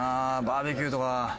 バーベキューとか」